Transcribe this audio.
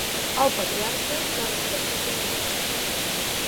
El patriarca s'ha despenjat del grup.